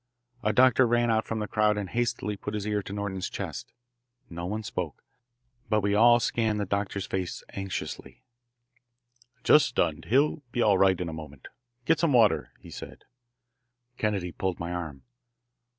A doctor ran out from the crowd and hastily put his ear to Norton's chest. No one spoke, but we all scanned the doctor's face anxiously. "Just stunned he'll be all right in a moment. Get some water," he said. Kennedy pulled my arm.